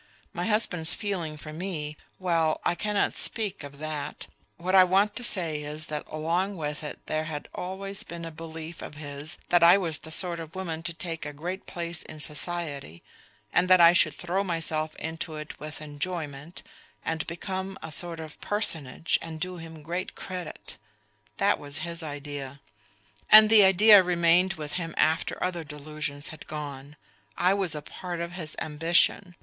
My husband's feeling for me ... well, I cannot speak of that ... what I want to say is that along with it there had always been a belief of his that I was the sort of woman to take a great place in society, and that I should throw myself into it with enjoyment and become a sort of personage and do him great credit that was his idea; and the idea remained with him after other delusions had gone. I was a part of his ambition.